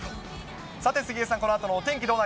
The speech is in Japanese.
さて杉江さん、このあとのお天気